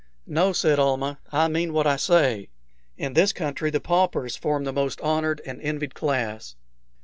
"No," said Almah; "I mean what I say. In this country the paupers form the most honored and envied class."